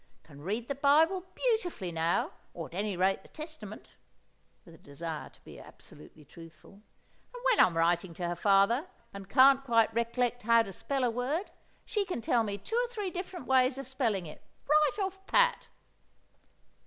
Can read the Bible beautifully now—or at any rate the Testament" (with a desire to be absolutely truthful). "And when I'm writing to her father, and can't quite rec'lect how to spell a word, she can tell me two or three different ways of spelling it, right off pat!"